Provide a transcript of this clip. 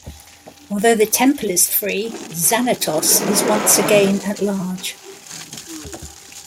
Although the Temple is free, Xanatos is once again at large.